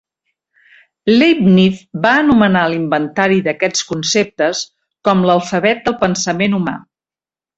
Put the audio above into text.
Leibniz va anomenar l'inventari d'aquests conceptes com l'alfabet del pensament humà.